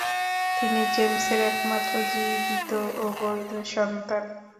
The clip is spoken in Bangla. তিনি জেমস এর একমাত্র জীবিত ও বৈধ সন্তান।